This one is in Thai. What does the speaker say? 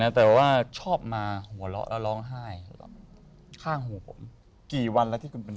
แต่ว่าชอบมาหัวเราะแล้วร้องไห้ข้างหูผมกี่วันแล้วที่คุณเป็น